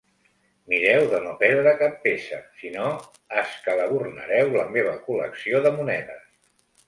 Mireu de no perdre cap peça, si no, escalabornareu la meva col·lecció de monedes.